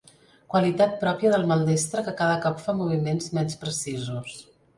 Qualitat pròpia del maldestre que cada cop fa moviments menys precisos.